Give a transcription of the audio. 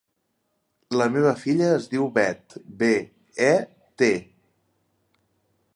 La meva filla es diu Bet: be, e, te.